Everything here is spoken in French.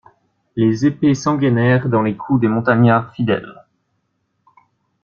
Les épées s'engainèrent dans les cous des montagnards fidèles.